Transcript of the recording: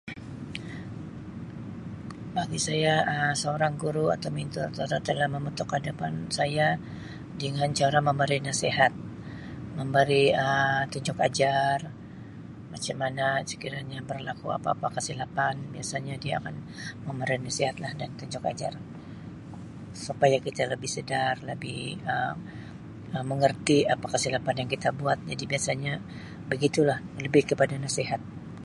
Bagi saya seorang guru [unintelligible] saya dengan cara memberi nasihat memberi Um tunjuk ajar macam mana sekiranya berlaku apa-apa kesilapan biasanya dia akan memberi nasihatlah dan tunjuk ajar supaya kita lebih sedar lebih mengerti apa kesilapan yang kita buat biasanya begitulah lebih kepada nasihat.